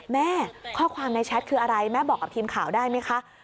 แม่ข้อความในแชทคืออะไรแม่บอกกับทีมข่าวได้ไหมคะ